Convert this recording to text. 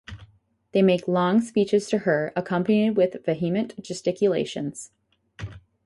They make long speeches to her accompanied with vehement gesticulations.